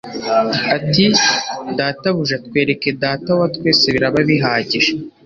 ati : "Databuja twereke Data wa twese biraba bihagije."